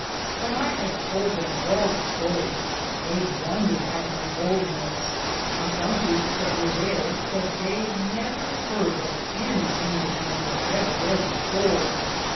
When I had toulde them all the storie, they wondered at my bouldnes, and some Grekes that weare thare sayde that they never hard that any Inglishe man was ever thare before.